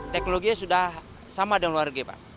teknologi sudah sama dengan luar negeri pak